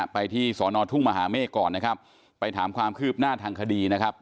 ไปที่สอนอทุ่งมหาเมฆก่อนนะครับไปถามความคืบหน้าทางคดีนะครับ